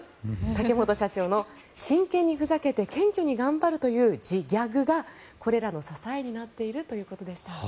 竹本社長の真剣にふざけて謙虚に頑張るという自ギャグがこれらの支えになっているということでした。